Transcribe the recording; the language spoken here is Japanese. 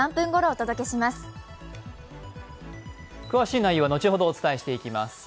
詳しい内容は後ほどお伝えしていきます。